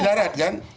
dari darat kan